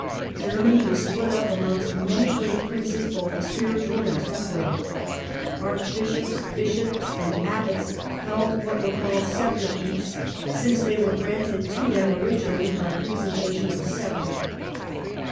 Germany was split up amongst many great Princes both spiritual and temporal. Arch bishops, Bishops and Abbots held what were called Sceptre fiefs, since they were granted to them originally by presentation of a sceptre.